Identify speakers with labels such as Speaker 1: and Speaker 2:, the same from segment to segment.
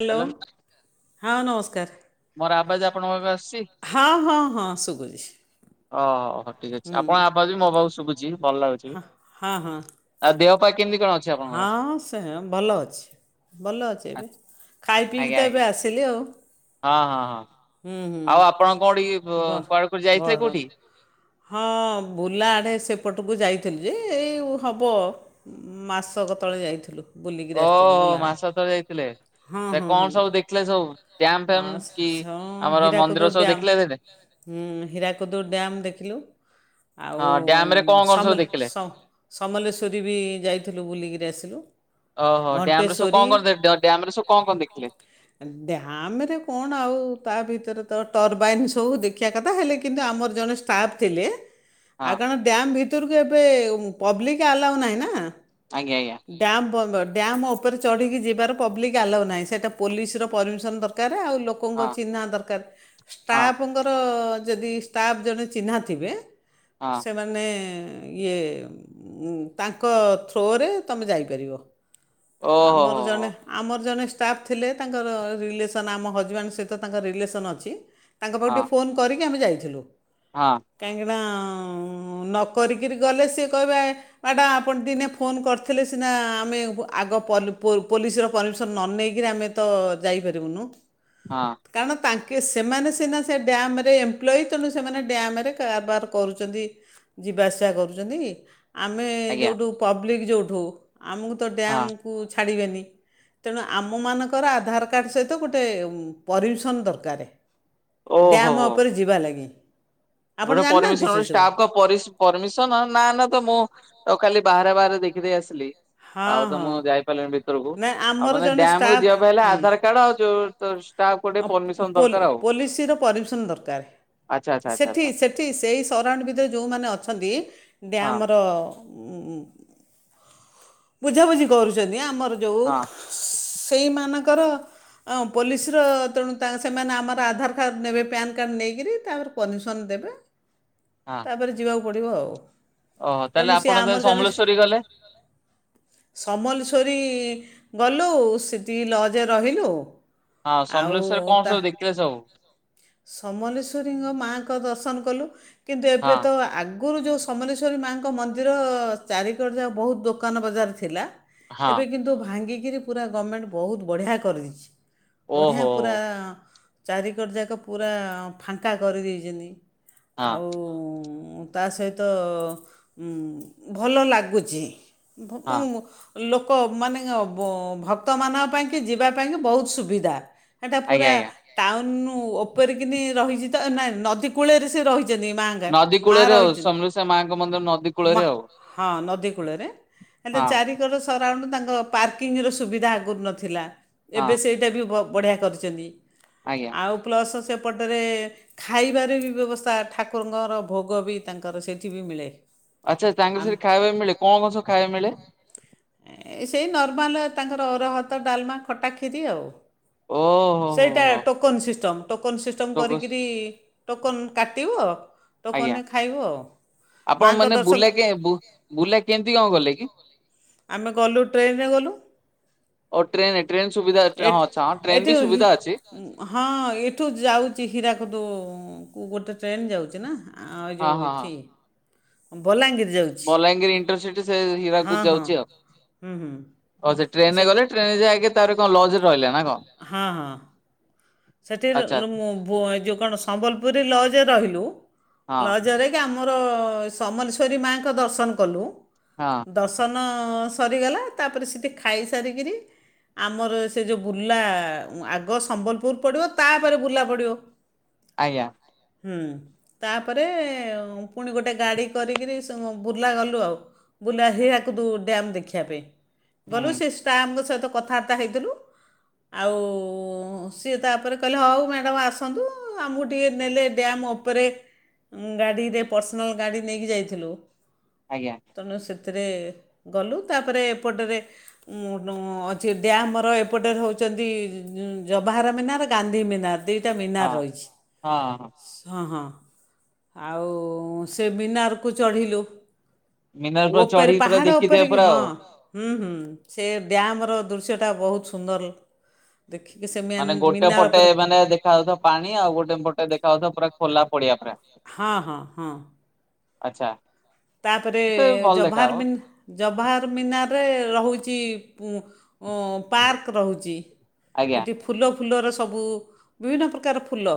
Speaker 1: Hello ହଁ ନମସ୍କାର।
Speaker 2: ମୋର ଆବାଜ ଆପଣଙ୍କୁ ଏବେ ଆସୁଚି।
Speaker 1: ହଁ ହଁ ହଁ ଶୁଗୁଛି।
Speaker 2: ଓହୋ ଠିକ୍ ଅଛି ଆପଣ ଆବାଜ ବି ମୋ ପାଖକୁ ଶୁଗୁଚି ଭଲ ଲାଗୁଚି
Speaker 1: ହଁ ହଁ ଆଉ ଦେହ ପା
Speaker 2: ଅଛି
Speaker 1: କେମିତି କଣ
Speaker 2: ଆପଣଙ୍କର?
Speaker 1: ହଁ ସେ ଭଲ ଅଛି। ବଲ ଅଛି ଏବେ ଖାଇ ପିଇକି
Speaker 2: ଆଜ୍ଞା
Speaker 1: ତ
Speaker 2: ଆଜ୍ଞା
Speaker 1: ଏବେ ଆସିଲୁ ଆଉ।
Speaker 2: ହଁ ହଁ ହଁ
Speaker 1: ହୁଁ ହୁଁ।
Speaker 2: ଆଉ ଆପଣ କୋଉଠି
Speaker 1: ଗ
Speaker 2: କୁଆଡ଼େ କୋଉଠି ଯାଇଥିଲେ
Speaker 1: ଗରମ
Speaker 2: କୋଉଠି?
Speaker 1: ହଁ ବୁଲା ଆଡ଼େ ସେପଟକୁ ଯାଇଥିଲୁ ଯେ ଏଇ ହବ ଉଁ ମାସକ ତଳେ ଯାଇଥୁଲୁ।
Speaker 2: ଓହୋ ମାସକ ତଳେ
Speaker 1: ହଁ
Speaker 2: ଯାଇଥିଲେ
Speaker 1: ହଁ
Speaker 2: କଣ
Speaker 1: ହଁ
Speaker 2: ସବୁ ଦେଖିଲେ ସବୁ ଡ୍ୟାମ୍
Speaker 1: ହଁ
Speaker 2: ଫ୍ୟାମ କି?
Speaker 1: ହଁ
Speaker 2: ଆମର
Speaker 1: ହୀରାକୁଦ
Speaker 2: ମନ୍ଦିର ସବୁ
Speaker 1: ଡ୍ୟାମ୍
Speaker 2: ଦେଖିଲେ ସେଠି?
Speaker 1: ହୁଁ ହୀରାକୁଦୁ ଡ୍ୟାମ ଦେଖିଲୁ। ଆଉ
Speaker 2: ହଁ ଡ୍ୟାମ ରେ କଣ କଣ ସବୁ
Speaker 1: ସମି
Speaker 2: ଦେଖିଲେ?
Speaker 1: ସମ୍ ସମଲେଶ୍ୱରୀ ବି ଯାଇଥିଲୁ ବୁଲିକିରି ଆସିଲୁ।
Speaker 2: ଓହୋ ଡ୍ୟାମରେ ସବୁ କଣ
Speaker 1: ଘଣ୍ଟେଶ୍ୱରୀ
Speaker 2: କଣ ଡ୍ୟାମରେ ସବୁ କଣ କଣ ଦେଖିଲେ?
Speaker 1: ଡ୍ୟାମରେ କଣ ଆଉ ତା ଭିତରେ ତ ଟର୍ବାଇନ ସବୁ ଦେଖି ଖିଆ କଥା ହେଲେ କିନ୍ତୁ ଆମର ଜଣେ ଷ୍ଟାଫ ଥିଲେ।
Speaker 2: ହଁ
Speaker 1: ଆଉ କଣ ଡ୍ୟାମ୍ ଭିତରକୁ ଏବେ ପବ୍ଲିକ ଆଲାଉ ନାହିଁ ନା?
Speaker 2: ଆଜ୍ଞ ଆଜ୍ଞା।
Speaker 1: ଡ୍ୟାମ୍ ବନ୍ଦ୍ ଡ୍ୟାମ୍ ଉପରେ ଚଢ଼ିକି ଯିବାର ପବ୍ଲିକ୍ ଆଲାଉ ନାହିଁ ସେଇଟା ପୋଲିସର ପରିମିସନ ଦରକାର ଆଉ ଲୋକଙ୍କ
Speaker 2: ହଁ
Speaker 1: ଚିହ୍ନା ଦରକାର
Speaker 2: ହଁ
Speaker 1: ଷ୍ଟାଫଙ୍କ ତାଙ୍କର ଯଦି ଷ୍ଟାଫ୍ ଜଣେ ଚିହ୍ନା ଥିବେ
Speaker 2: ହଁ
Speaker 1: ସେମାନେ। ମାନେ ଇଏ ତାଙ୍କ ଥ୍ରୋରେ ତମେ ଯାଇପାରିବ।
Speaker 2: ଓହୋ
Speaker 1: ଆମର
Speaker 2: ହୋ ହୋ
Speaker 1: ଜଣେ ଆମର ଜଣେ ଷ୍ଟାପ୍। ଥିଲେ ତାଙ୍କର ରିଲେସନ୍ ଆମ ହଜବେଣ୍ଡ ସହିତ ତାଙ୍କର ରିଲେସନ୍ ଅଛି। ତାଙ୍କ ପାଖକୁ
Speaker 2: ହଁ
Speaker 1: ଟିକେ ଫୋନ୍ କରିକି ଆମେ ଯାଇଥିଲୁ।
Speaker 2: ହଁ।
Speaker 1: କାହିଁକିନା ନକରିକିରି ଗଲେ ସିଏ କହିବେ। ଏଟା ଆପଣ ଦିନେ ଫୋନ କରିଥିଲେ ସିନା ଆମେ ଆଗ ପଲ୍ ପୁ ପୋଲିସର ପରମିସନ ନ ନେଇକି। କିରେ ଆମେ ତ ଯାଇପାରିବୁନୁ।
Speaker 2: ହଁ।
Speaker 1: କାରଣ ତାଙ୍କେ ସେମାନେ ସିନା ସେ ଡ୍ୟାମରେ ଏମ୍ପ୍ଲଇ ତେଣୁ ସେମାନେ ଡ୍ୟାମରେ କାରବାର କରୁଛନ୍ତି। ଯିବା ଆସିବା କରୁଛନ୍ତି ଆମେ
Speaker 2: ଆଜ୍ଞା
Speaker 1: ଯେଉଁଠୁ ପବ୍ଲିକ୍ ଯୋଉଠୁ ଆମକୁ ତ
Speaker 2: ହଁ।
Speaker 1: ଡ୍ୟାମ୍। ଛାଡ଼ିବେନି ତେଣୁ ଆମ। ଆମମାନଙ୍କର ଆଧାର କାର୍ଡ଼ ସହିତ ଗୋଟେ ପରିମିସନ୍ ଦରକାର
Speaker 2: ଓହୋ
Speaker 1: ଡ୍ୟାମ୍ ଅପ୍।
Speaker 2: ହୋ
Speaker 1: ଉପରେ ଯିବା ଲାଗି। ଆପଣ
Speaker 2: ଗୋଟେ
Speaker 1: ଜାଣିନାହାନ୍ତି
Speaker 2: ପରିମିସନ ହଉଛି
Speaker 1: ସେସବୁ
Speaker 2: ଷ୍ଟାପ୍ କପ୍। ପରିସି ପରିମିସନ ନା, ନା ତ ମୁଁ ଖାଲି ବାହାରେ, ବାହାରେ ଦେଖିଦେଇ ଆସିଲି।
Speaker 1: ହଁ
Speaker 2: ଆଉ ତ
Speaker 1: ହଁ
Speaker 2: ମୁଁ ଯାଇପାରିଲିିନି ଭିତରକୁ
Speaker 1: ନାଇଁ
Speaker 2: ଆଉ
Speaker 1: ଆମର
Speaker 2: ମାନେ
Speaker 1: ଜଣେ
Speaker 2: ଡ୍ୟାମ୍ କୁ
Speaker 1: ଷ୍ଟାଫ୍
Speaker 2: ଯିବା ପାଇଁ ହେଲେ
Speaker 1: ହୁଁ
Speaker 2: ଆଧାର କାର୍ଡ ଆଉ ଯୋଉ। ଭିତର ଷ୍ଟାପ୍ ଗୋଟେ
Speaker 1: ଆଉ
Speaker 2: ପରିମିସନ
Speaker 1: ପୋଲି-
Speaker 2: ଦରକାର ଆଉ
Speaker 1: ପୋଲିସର ପରମିସନ୍ ଦରକାର
Speaker 2: ଆଚ୍ଛା, ଆଚ୍ଛା, ଆଚ୍ଛା।
Speaker 1: ସେଠି ସେଠି ସେଇ ସରାଉଣ୍ଡ ଭିତରେ ଯେଉଁମାନେ ଅଛନ୍ତି
Speaker 2: ହଁ
Speaker 1: ଡ୍ୟାମ୍ ର। ଉଁ ଉଁ ବୁଝାବୁଝି କରୁଛନ୍ତି ଆମର ଯୋଉ।
Speaker 2: ହଁ
Speaker 1: ସେଇମାନଙ୍କର ଅ ପୋଲିସି। କ୍ଷ୍ୟୁଦ୍ର ତେଣୁ ତା ସେମାନେ ଆମର ଆଧାର କାର୍ଡ଼ ନେବେ ପ୍ୟାନ୍ କାର୍ଡ଼ ନେଇକରି ତାପରେ ପରିମିସନ ଦେବେ।
Speaker 2: ହଁ।
Speaker 1: ତାପରେ ଯିବାକୁ ପଡିବ ଆଉ।
Speaker 2: ଓହୋ ତାହେଲେ
Speaker 1: ତେଣୁ ସିଏ
Speaker 2: ଆପଣ
Speaker 1: ଆମର
Speaker 2: ତାହେଲେ
Speaker 1: ଜଣେ
Speaker 2: ସମଲେଶ୍ୱରୀ ଗଲେ।
Speaker 1: ସମଲେଶ୍ୱରୀ ଗଲୁ ସେଠି ଲଜ ରେ ରହିଲୁ।
Speaker 2: ହଁ
Speaker 1: ଆଉ
Speaker 2: ସମଲେଶ୍ଵରରେ କ'ଣ
Speaker 1: ତା
Speaker 2: ସବୁ ଦେଖିଲେ ସବୁ।
Speaker 1: ସମଲେଶ୍ୱରୀଙ୍କ ମାଆଙ୍କ ଦର୍ଶନ କଲୁ କିନ୍ତୁ
Speaker 2: ହଁ
Speaker 1: ଏବେ ତ ଆଗ। ଆଗୁରୁ ଯୋଉ ସମଲେଶ୍ୱରୀ ମାଙ୍କ ମନ୍ଦିର ଚାରିିକଡ଼ ଯାକ ବହୁତୁ ଦୋକାନ ବଜାର ଥିଲା।
Speaker 2: ହଁ
Speaker 1: ଏବେ କିନ୍ତୁ ଭାଙ୍ଗିକିରି ପୁରା ଗଭର୍ଣ୍ଣମେଣ୍ଟ ବହୁତୁ ବଢିଆ କରିଦେଇଛି। ବଢ଼ିଆ
Speaker 2: ଓହୋ
Speaker 1: ପୁରା ଚାରି କରଯାକ ପୁରା ଫାଙ୍କା କରିଦେଇଛନ୍ତି।
Speaker 2: ହଁ
Speaker 1: ଆଉ ତା ସହିତ ଭଲ ଲାଗୁଛି।
Speaker 2: ହଁ
Speaker 1: ଭକୁ ମୁଁ। ଲୋକ ମାନେ ଭକ୍ତମାନଙ୍କ ପାଇଁକି ଯିବା ପାଇଁକି ବହୁତୁ ସୁବିଧା। ଏଟା
Speaker 2: ଆଜ୍ଞା
Speaker 1: ପୁରା।
Speaker 2: ଆଜ୍ଞା।
Speaker 1: ଟାଉନୁ ଓପରି କିିନି ରହିଛି ତ ନା ନଦୀ କୂଳରେ ସେ ରହିଛନ୍ତି ମା। ଯା
Speaker 2: ନଦୀ
Speaker 1: ମା
Speaker 2: କୂଳରେ ଆଉ
Speaker 1: ରହିଛ
Speaker 2: ସମଲେଶ୍ୱରୀ ମାଙ୍କ ମନ୍ଦିର ନଦୀ କୂଳରେ
Speaker 1: ମା
Speaker 2: ଆଉ
Speaker 1: ହଁ ନଦୀ କୂଳରେ। ହେଲେ
Speaker 2: ହଁ
Speaker 1: ଚାରି। ତାଙ୍କର ସରାଉଣ୍ଡୁ ପାର୍କିଙ୍ଗ ର ସୁବିଧା ଆଗୁରୁ ନଥିଲା
Speaker 2: ହଁ
Speaker 1: ଏବେ ସେଇଟା ବି ବଢ଼ିଆ କରିଛନ୍ତି
Speaker 2: ଆଜ୍ଞା।
Speaker 1: ଆଉ ପ୍ଲସ୍ ସେପଟରେ। ଖାଇବାରେ ବି ବ୍ୟବସ୍ଥା ଠାକୁରଙ୍କର ଭୋଗ ବି ତାଙ୍କର ସେଇଠି ବି ମିଳେ।
Speaker 2: ଆଚ୍ଛା ତାଙ୍କର
Speaker 1: ଆମେ
Speaker 2: ସେଠି ଖାଇବା ପାଇଁ ମିଳେ କ'ଣ କ'ଣ ସବୁ ଖାଇବା ମିଳେ।
Speaker 1: ସେଇ ନର୍ମାଲ ତାଙ୍କର ଅରୁଆ ଭାତ, ଡାଲମା, ଖଟା, ଖିରି ଆଉ।
Speaker 2: ଓ।
Speaker 1: ସେଇଟା ଟୋକନ ସିଷ୍ଟମ ଟୋକନ ସିଷ୍ଟମ
Speaker 2: ତ ବସ୍
Speaker 1: କରିକିରି ଟୋକନ କାଟିବ।
Speaker 2: ଆଜ୍ଞା
Speaker 1: ଟୋକନରେ ଖାଇବ ଆଉ
Speaker 2: ଆପଣ
Speaker 1: ମାଆଙ୍କ
Speaker 2: ମାନେ
Speaker 1: ଦର୍ଶନ
Speaker 2: ବୁଲା କେ ବୁଲା କେମିତି କଣ ଗଲେ କି?
Speaker 1: ଆମେ ଗଲୁ ଟ୍ରେନରେ ଗଲୁ।
Speaker 2: ଓ ଟ୍ରେନ ଟ୍ରେନ ସୁବିଧା ହଁ ଅଛ।
Speaker 1: ଏଇଠି ହଁ ଏଇଠୁ ଯାଉଛି ହୀରାକୁଦ କୁ ଗୋଟେ ଟ୍ରେନ୍ ଯାଉଛି ନା। ଆ
Speaker 2: ହଁ
Speaker 1: ଯେଉଁ
Speaker 2: ହଁ ହଁ
Speaker 1: ଏଠି ବଲାଙ୍ଗୀର ଯାଉ
Speaker 2: ବଲାଙ୍ଗୀର ଇଣ୍ଟରସିଟି ସେ ହୀରାକୁଦ
Speaker 1: ହଁ
Speaker 2: ଯାଉଛି ଆଉ।
Speaker 1: ହୁଁ ହୁଁ
Speaker 2: ଓ ସେ ଟ୍ରେନରେ ଗଲେ ଟ୍ରେନରେ ଯାଇକି ତାପରେ କଣ ଲର୍ଜ ରହିଲେ ନା କଣ
Speaker 1: ହଁ ହଁ। ସେଠି
Speaker 2: ଆଚ୍ଛା
Speaker 1: ଯେଉ କଣ ସମ୍ବଲପୁରରେ ଲର୍ଜରେ ରହିଲୁ
Speaker 2: ହଁ।
Speaker 1: ଲର୍ଜରେ ଆମର ସମଲେଶ୍ଵରୀ ମାଆ ଙ୍କ ଦର୍ଶନ କଲୁ।
Speaker 2: ହଁ।
Speaker 1: ଦର୍ଶନ ସରିଗଲା ତାପରେ ସେଠି ଖାଇସାରିକିରି ଆମର ସେ ଯେଉ ବୁର୍ଲା ଆଗ ସମ୍ବଲପୁ ର ପଡ଼ିବ ତାପରେ ବୁର୍ଲା ପଡ଼ିବ।
Speaker 2: ଆଜ୍ଞା।
Speaker 1: ହୁଁ। ତାପରେ ପୁଣି ଗୋଟେ ଗାଡ଼ି କରିକିରି ସ୍ ବୁର୍ଲା ଗଲୁ ଆଉ। ବୁର୍ଲା ହୀରାକୁଦ ଡ୍ୟାମ୍ ଦେଖିବା ପାଇଁ। ଗଲୁ
Speaker 2: ହୁଁ
Speaker 1: ସେ ଷ୍ଟାପ ଙ୍କ ସହିତ କଥାବାର୍ତ୍ତା ହେଇଥିଲୁ। ଆଉ ସିଏ ତାପରେ କହିଲେ ହଉ ମ୍ୟାଡ଼ମ୍ ଆସନ୍ତୁ ଆମକୁ ଟିକିଏ ନେଲେ ଡ୍ୟାମ୍ ଉପରେ ଗାଡ଼ିରେ ପର୍ସନାଲ୍ ଗାଡ଼ି ନେଇକି ଯାଇଥିଲୁ।
Speaker 2: ଆଜ୍ଞା।
Speaker 1: ତେଣୁ ସେଥିରେ ଗଲୁ ତାପରେ ଏପଟରେ ଉ ଅଛି ଡ୍ୟାମ ର ଏପଟରେ ହଉଛନ୍ତି ଜବାହାର ମିନାର ଗାନ୍ଧୀ ମିନାର ଦୁଇଟା ମିନାର
Speaker 2: ହଁ
Speaker 1: ରହିଛି
Speaker 2: ହଁ ହଁ।
Speaker 1: ହଁ ହଁ। ଆଉ ସେ ମିନାରକୁ ଚଢ଼ିଲୁ।
Speaker 2: ମିନାର ପୁରା
Speaker 1: ଉପରେ
Speaker 2: ଚଢିକି ପୁରା
Speaker 1: ପାହାଡ
Speaker 2: ଦେଖିଥିବେ
Speaker 1: ଉପରେ କି
Speaker 2: ପୁରା
Speaker 1: ହଁ।
Speaker 2: ଆଉ।
Speaker 1: ହୁଁ ହୁଁ ସେ ଡ୍ୟାମ୍ ର ଦୃଶ୍ୟଟା ବହୁତ ସୁନ୍ଦର ଦେଖି ସେ ମ୍ୟାନ ମିନାର ଉପର କୁ
Speaker 2: ଦେଖାଯାଉଥିବ ପାଣି ଆଉ ଗୋଟେ ପଟେ ଦେଖାଯାଉଥିବ ପୁରା ଖୋଲା ପଡିଆ ପୁରା।
Speaker 1: ହଁ ହଁ ହଁ।
Speaker 2: ଆଛା।
Speaker 1: ତାପରେ ଜବାହାର ବିନ୍ ଜବାହାର ମିନାରରେ ରହୁଛି ପୁଁ ଉଁ ପାର୍କ ରହୁଛି।
Speaker 2: ଆଜ୍ଞା
Speaker 1: ସେଠି ଫୁଲ ଫୁଲର ସବୁ ବିଭିନ୍ନ ପ୍ରକାର ଫୁଲ।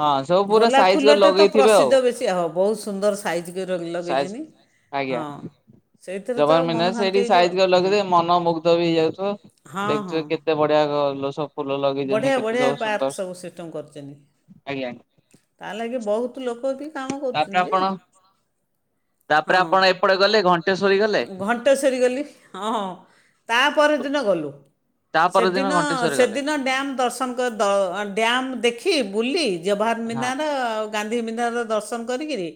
Speaker 2: ହଁ ସବୁ ପୁରା
Speaker 1: ଗୋଲାପ
Speaker 2: ସାଇଜ
Speaker 1: ଫୁଲ
Speaker 2: କରି
Speaker 1: ଟା ତ
Speaker 2: ଲଗେଇଥିବେ
Speaker 1: ପ୍ରସିଦ୍ଧ ବେଶି ଆଉ ହ ବହୁତ ସୁନ୍ଦର ସାଇଜ କରି ଲଗେଇ ହଁ। ସେଇଥିରେ ତ
Speaker 2: ଜବାହାର
Speaker 1: ମନ
Speaker 2: ମିନାର
Speaker 1: ଶାନ୍ତି
Speaker 2: ସେଇଠି
Speaker 1: ହେଇଯିବ
Speaker 2: ସାଇଜି କରି
Speaker 1: ହୁଁ
Speaker 2: ଲଗେଇ ଥିବେ ମନମୁଗ୍ଧ ବି ହେଇଯାଉଥିବ
Speaker 1: ହଁ ହଁ।
Speaker 2: ଦେଖୁଥିବ କେତେ କେତେ ବଢିଆ ଗଛ ସବୁ ଫୁଲ
Speaker 1: ବଢ଼ିଆ
Speaker 2: ଲଗେଇଛନ୍ତି କେତେ
Speaker 1: ବଢ଼ିଆ
Speaker 2: ସବୁ
Speaker 1: ପାର୍କ
Speaker 2: ସୁନ୍ଦର
Speaker 1: ସବୁ କରିଛନ୍ତି।
Speaker 2: ଆଜ୍ଞା।
Speaker 1: ତା ଲାଗି ବହୁତ ଲୋକ ବି କାମ
Speaker 2: ତାପରେ
Speaker 1: କରୁଛନ୍ତି ଯେ
Speaker 2: ଆପଣ ତାପରେ
Speaker 1: ହଁ।
Speaker 2: ଆପଣ ଏପଟେ ଗଲେ ଘଣ୍ଟେଶ୍ଵରୀ ଗଲେ?
Speaker 1: [unintelligible] ତା ପର ଦିନ ଗଲୁ।
Speaker 2: ତା ପରଦିନ
Speaker 1: ସେଦିନ
Speaker 2: ଘଣ୍ଟେଶ୍ଵରୀ
Speaker 1: ସେ
Speaker 2: ଗଲେ।
Speaker 1: ଡ୍ୟାମ୍ ଦର୍ଶନ କରି ଦ ଡ୍ୟାମ୍ ଦେଖି ବୁଲି ଜବାହାର
Speaker 2: ହଁ
Speaker 1: ମିନାର ଗାନ୍ଧୀ ମିିନ୍ଧାରାର ଦର୍ଶନ କରିକିରି,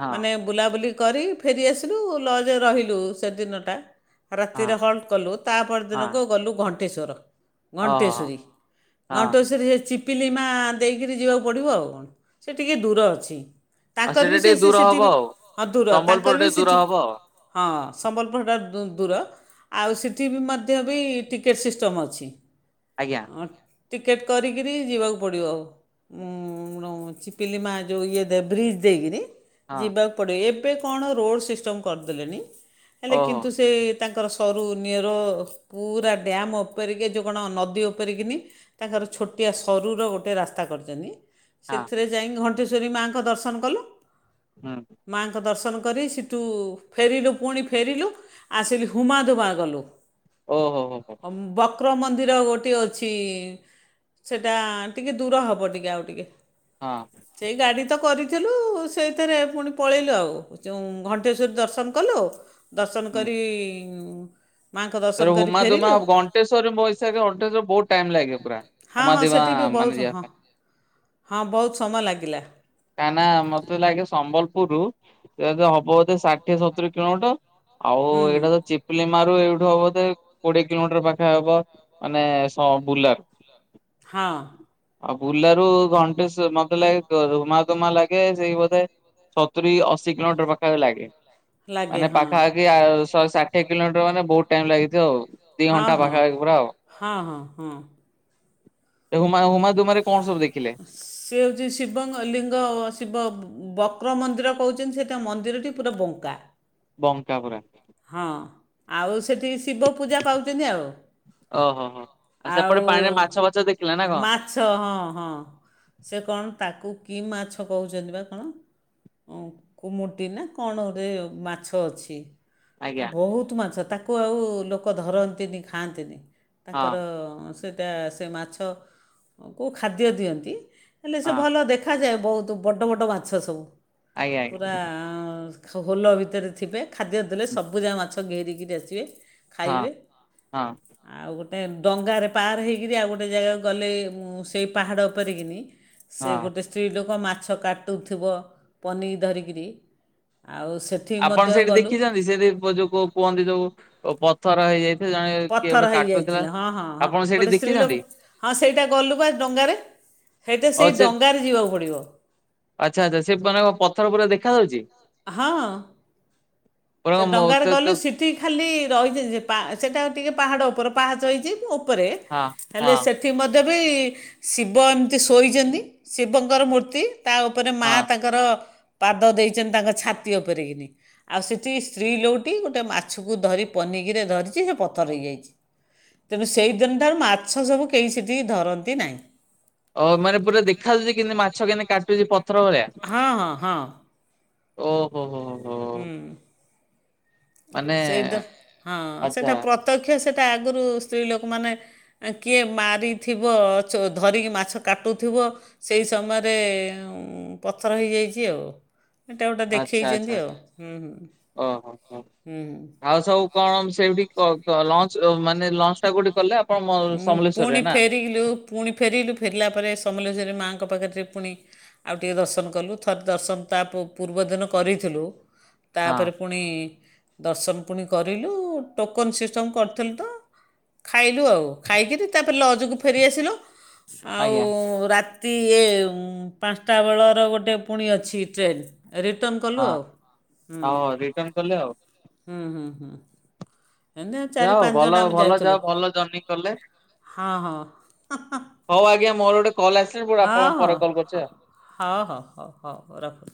Speaker 2: ହଁ
Speaker 1: ମାନେ ବୁଲାବୁଲି କରି ଫେରିଆସିଲୁ ଲଜ୍ ରହିଲୁ ସେଦିନଟା।
Speaker 2: ହଁ
Speaker 1: ରାତିରେ ହଲ୍ଟ କଲୁ
Speaker 2: ହଁ
Speaker 1: ତାପଦିନକୁ ଗଲୁ ଘଣ୍ଟେଶ୍ୱର।
Speaker 2: ଓହୋ ହଁ
Speaker 1: ଘଣ୍ଟେଶ୍ୱରୀ। ଘଣ୍ଟେଶ୍ୱରୀ ରେ ଚି ପିପିଲି ମା ଦେଇକିରି ଯିବାକୁ ପଡ଼ିବ ଆଉ, ସେ ଟିକିଏ ଦୂର ଅଛି।
Speaker 2: ଆଉ
Speaker 1: ତାଙ୍କର ବି
Speaker 2: ସେଇଟା
Speaker 1: ସେ
Speaker 2: ଟିକେ ଦୂର ହବ
Speaker 1: ଶିଶିଟିବି
Speaker 2: ଆଉ।
Speaker 1: ହଁ ଦୂର,
Speaker 2: ସମ୍ବଲପୁର
Speaker 1: ତାଙ୍କର ବି
Speaker 2: ଟିକେ ଦୂର
Speaker 1: ସିଠି
Speaker 2: ହବ
Speaker 1: ହଁ ସମ୍ବଲପୁରଟା ଠୁ ଦୂର। ଆଉ ସେଠି ବି ମଧ୍ୟ ବି ଟିକେଟ୍ ସିଷ୍ଟମ୍ ଅଛି।
Speaker 2: ଆଜ୍ଞା।
Speaker 1: ହଁ ଟିକେଟ୍ କରିକରି ଯିବାକୁ ପଡ଼ିବ ଆଉ। ମୁଁ ଚିପିଲି ମା ଯୋଉ ଇଏ ବ୍ରିଜ୍ ଦେଇକିରି।
Speaker 2: ହଁ
Speaker 1: ଯିବାକୁ ପଡ଼ିବ। ଏବେ କଣ ରୋଡ଼ ସିଷ୍ଟମ କରିଦେଲେଣିି ହେଲେ
Speaker 2: ଓହୋ
Speaker 1: କିନ୍ତୁ ସେ ତାଙ୍କର ସରୁ ନ୍ୟୁର ପୁରା ଡ୍ୟାମ୍ ଉପରକୁ ଯଉ କଣ ଉପରେକିନି ତାଙ୍କର ଛୋଟିଆ ସରୁର ଗୋଟେ ରାସ୍ତା କରିଛନ୍ତି।
Speaker 2: ହଁ
Speaker 1: ସେଥିରେ ଯାଇଙ୍କି ଘଟେଶ୍ୱରୀ ମାଆଙ୍କ ଦର୍ଶନ କଲୁ।
Speaker 2: ହୁଁ।
Speaker 1: ମାଆଙ୍କ ଦର୍ଶନ କରି ସେଠୁ ଫେରିଲୁ ପୁଣି ଫେରିଲୁ ଆସିଲି ହୁମା ଧୁମା ଗନ।
Speaker 2: ଓ ହୋ ହୋ ହୋ।
Speaker 1: ବକ୍ରମନ୍ଦିର ଗୋଟେ ସେଠି ଅଛି ସେଟା ଟିକେ ଦୂର ହବ ଟିକେ ଆଉ ଟିକେ।
Speaker 2: ହଁ।
Speaker 1: ସେଇ ଗାଡି ତ କରିଥିଲୁ ସେଇଥିରେ ପୁଣି ପଳେଇଲୁ ଆଉ। ଯୋଉ ଘଣ୍ଟେଶ୍ୱରି ଦର୍ଶନ କଲୁ ଦର୍ଶନ
Speaker 2: ହୁଁ।
Speaker 1: କରି ମାଆଙ୍କ ଦର୍ଶନ କରି ଫେରିଲୁ।
Speaker 2: ଘଣ୍ଟେଶ୍ୱରୀ ବୈଶାଖୀ ଅଧିକ ବୋହୁତ୍ ଟାଇମ୍ ଲାଗେ ପୁରା।
Speaker 1: ହଁ ହଁ
Speaker 2: ହୁଦିବା
Speaker 1: ସେଠି ବି
Speaker 2: ମାନେ
Speaker 1: ବହୁତ
Speaker 2: ଯିବା
Speaker 1: ହଁ
Speaker 2: ପାଇଁ।
Speaker 1: ହଁ ବୋହୁତ୍ ସମୟ ଲାଗିଲା।
Speaker 2: କାହିଁ ନା ମତେ ଲାଗେ ସମ୍ବଲପୁର ରୁ ହବ ବୋଧେ ଷାଠିଏ ସତୁରି କିଲୋମିଟର। ଆଉ
Speaker 1: ହୁଁ ହୁଁ
Speaker 2: ଏଇଟା ତ ଚିପଲି ମାରୁ ଏଇଠୁ ହବ ଯେ କୋଡିଏ କିଲୋମିଟର ପାଖା ହବ। ମାନେ ସ ବୁର୍ଲା।
Speaker 1: ହଁ।
Speaker 2: ଆଉ ବୁର୍ଲା ରୁ ଘଣ୍ଟେସ୍ଵ-ମତେ ଲାଗେ [unintelligible] ମା ଲାଗେ ସେଇ ବୋଧେ ସତୁରି ଅଶୀ କିଲୋମିଟର ପାଖା ପାଖି ଲାଗେ।
Speaker 1: ଲାଗେ
Speaker 2: ମାନେ
Speaker 1: ହଁ
Speaker 2: ପାଖାପାଖି ଆଉ ଶହେ ଷାଠିଏ କିଲୋମିଟର ମାନେ ବୋହୁତ୍ ଟାଇମ୍ ଲାଗିଥିବ ଆଉ। ଦି
Speaker 1: ହଁ
Speaker 2: ଘଣ୍ଟା ପାଖାପାଖି ପୁରା ଆଉ।
Speaker 1: ହଁ ହଁ ହଁ ହଁ
Speaker 2: ଏ ହୁମା ହୁମା ଦୁମାରେ କଣ ସବୁ ଦେଖିଲେ?
Speaker 1: ସେ ହଉଛି ଶିବଙ୍କ ଲିଙ୍ଗ ଶିବ ବକ୍ର ମନ୍ଦିର କହୁଛନ୍ତି ସେଟା ମନ୍ଦିରଟି ପୁରା ବଙ୍କା।
Speaker 2: ବଙ୍କା ପରା।
Speaker 1: ହଁ ଆଉ ସେଇଠି ଶିବ ପୂଜା ପାଉଛନ୍ତି ଆଉ।
Speaker 2: ଓହୋ ହୋ ସେପଟେ
Speaker 1: ଆଉ
Speaker 2: ପାଣିରେ ମାଛ ଫାଛ ଦେଖିଲେ ନା କଣ?
Speaker 1: ମା ମାଛ ହଁ ହଁ ସେ କଣ ତାକୁ କି ମାଛ କହୁଛନ୍ତି ବା କଣ? କୁମୁଟି ନା କଣ ଗୋଟେ ମାଛ ଅଛି?
Speaker 2: ଆଜ୍ଞା
Speaker 1: ବହୁତ୍ ମାଛ ତାକୁ ଆଉ ଲୋକ ଧରନ୍ତିନି ଖାଆନ୍ତିନି ତାଙ୍କର
Speaker 2: ହଁ
Speaker 1: ସେଟା ସେ ମାଛକୁ ଖାଦ୍ୟ ଦିଅନ୍ତି ହେଲେ ସେ
Speaker 2: ହଁ
Speaker 1: ଭଲ ଦେଖ୍ ଦେଖାଯାଉ ବହୁତ୍ ବଡ଼ ବଡ଼ ମାଛ ସବୁ
Speaker 2: ଆଜ୍ଞା ଆଜ୍ଞା
Speaker 1: ପୁରା। ହୋଲ ଭିତରେ ଥିବେ ଖାଦ୍ୟ ଦେଲେ ସବୁ ଯାଏ ମାଛ ଘେରିକିରି ଆସିବେ।
Speaker 2: ହଁ
Speaker 1: ଖାଇବେ।
Speaker 2: ହଁ
Speaker 1: ଆଉ ଗୋଟେ ଡଙ୍ଗାରେ ପାର ହେଇକରି ଆଉ ଗୋଟେ ଜାଗାକୁ ଗଲେ ସେଇ ପାହାଡ଼ ଉପରେକିନି ସେ
Speaker 2: ହଁ
Speaker 1: ଗୋଟେ ସ୍ତ୍ରୀ ଲୋକ ମାଛ କାଟୁଥୁବ ପନିକି ଧରିକିରି ଆଉ ସେ
Speaker 2: ଆପଣ ସେଇଠି ଦେଖିଚନ୍ତି ସେଠି ଯୋ କୋଉ କୁହନ୍ତି ଯୋଉ ପଥର ହେଇଯାଇଥାଏ ଜଣେ କିଏ ଗୋଟେ
Speaker 1: ପଥର
Speaker 2: କାଟୁଥିଲା
Speaker 1: ହେଇଯାଇଥିଲେ ହଁ ହଁ ହଁ
Speaker 2: ଆପଣ ସେଇଠି
Speaker 1: ଗୋଟେ
Speaker 2: ଦେଖିଛନ୍ତି?
Speaker 1: ସ୍ତ୍ରୀଲୋକ ହଁ ସେଇଟା ଗଲୁବା ଡଙ୍ଗାରେ। ହେଇଟା
Speaker 2: ହଉ
Speaker 1: ସେଇ
Speaker 2: ସେ
Speaker 1: ଡଙ୍ଗାରେ ଯିବାକୁ ପଡ଼ିବ।
Speaker 2: ଆଚ୍ଛା ଆଚ୍ଛା ସେ ମାନେ ପଥର ପୁରା ଦେଖାଯାଉଛି?
Speaker 1: ହଁ।
Speaker 2: ପୁରା
Speaker 1: ସେ
Speaker 2: କଣ ମୋ
Speaker 1: ଡଙ୍ଗାରେ
Speaker 2: ତ କ
Speaker 1: ଗଲୁ ସିପ୍ ଟି ଖାଲି ରହିଯି ଯେ ସେଟା ଟିକେ ପାହାଡ ଉପରେ ପାହାଚ ହେଇଛି ଉପରେ
Speaker 2: ହଁ
Speaker 1: ହେଲେ
Speaker 2: ହଁ
Speaker 1: ସେ ସେ ମଧ୍ୟ ବି ଶିବ ଏମିତି ଶୋଇଚନ୍ତି ଶିବଙ୍କର ମୂର୍ତ୍ତି। ତା ଉପରେ ମା
Speaker 2: ହଁ
Speaker 1: ତାଙ୍କର ପାଦ ଦେଇଚନ୍ତି ତାଙ୍କ ଛାତି ଉପରେକିିନି ଆଉ ସେ ଟି ସ୍ତ୍ରୀ ଲୋକଟି ଗୋଟେ ମାଛକୁ ଧରି ପନିକିରେ ଧରିଛି ସେ ପଥର ହେଇଯାଇଛି। ତେବେ ସେହିଦିନି ଠାରୁ ମାଛ ସବୁ କେହି ସେଠି ଧରନ୍ତି ନାହିଁ।
Speaker 2: ଓ ମାନେ ପୁରା ଦେଖାଯାଏ କେମତି ମାଛ କେମତି କାଟୁଛି ପ
Speaker 1: ହଁ ହଁ ହଁ।
Speaker 2: ଓ ହୋ ହୋ ହୋ ହୋ।
Speaker 1: ସେଇ ହଁ
Speaker 2: ଆଚ୍ଛା
Speaker 1: ସେଇଟା ପ୍ରତ୍ୟକ୍ଷ ସେଇଟା ଆଗରୁ ସ୍ତ୍ରୀ ଲୋକମାନେ କିଏ ମାରିଥିବ ଧରିକି ମାଛ କାଟୁଥୁବ। ସେଇ ସମୟରେ ପଥର ହେଇଯାଇଛି ଆଉ ଏଟା ଗୋଟେ ଦେଖେଇଛନ୍ତି ଆଉ। [inaudible]
Speaker 2: ଓ ହୋ ହଁ।
Speaker 1: ହୁଁ।
Speaker 2: ଆଉ ସବୁ କଣ ସେଇଠି କ କ ଲଞ୍ଚ ମାନେ ଲଞ୍ଚ ଟା କୋଉଠି କଲେ? କ ମ ସମଲେଶ୍ୱର ରେ ନା?
Speaker 1: ଠିକୁଲୁ ପୁଣି ଫେରିଲୁ ଫେରିଲା ପରେ ସମଲେଶ୍ୱରୀ ମାଙ୍କ ପାଖରେ ପୁଣି ଆଉ ଟିକେ ଦର୍ଶନ କଲୁ ଥରେ ଦର୍ଶନ ତା ପୂର୍ବ ଦିନ କରିଥିଲୁ
Speaker 2: ହଁ।
Speaker 1: ତାପରେ ପୁଣି ଦର୍ଶନ ପୁଣି କରିଲୁ ଟୋକନ ସିଷ୍ଟମ୍ କରିଥିଲୁ ତ। ଖାଇଲୁ ଆଉ ଖାଇକିରି ତାପରେ ଲଜକୁ ଫେରିଆସିଲୁ ଆଉ
Speaker 2: ଆଜ୍ଞା
Speaker 1: ରାତ୍ ତି ଇଏ ପାଞ୍ଚଟା ବେଳର ଗୋଟେ ପୁଣି ଅଛି ଟ୍ରେନ୍। ରିଟର୍ଣ କଲୁ
Speaker 2: ହଁ
Speaker 1: ଆଉ ହୁଁ
Speaker 2: ହଉ ରିଟର୍ଣ କଲେ ଆଉ।
Speaker 1: ହୁଁ ହୁଁ ହୁଁ ଏମିତି
Speaker 2: ଯା
Speaker 1: ଚାରି
Speaker 2: ହଉ
Speaker 1: ପାଞ୍ଚ ଜଣ
Speaker 2: ଭଲ
Speaker 1: ଆମେ
Speaker 2: ଭଲ
Speaker 1: ଯାଇଥିଲୁ
Speaker 2: ଯାଅ ଭଲ ଜର୍ନିଂ କଲେ।
Speaker 1: ହଁ ହଁ
Speaker 2: ହଉ ଆଜ୍ଞ ମୋରୋ ଟେ କଲ ଆସିଲି ମୁଁ ଆପଣକୁ
Speaker 1: ହଁ
Speaker 2: ପରେ କଲ
Speaker 1: ହଁ
Speaker 2: କରୁଚି ଆଉ।
Speaker 1: ହଁ ହଉ ହଉ ହଉ ରଖୁ